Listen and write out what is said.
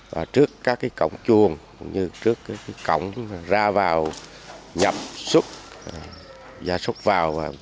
và trước các cổng chuồng cũng như trước cổng ra vào nhập xúc giả xúc vào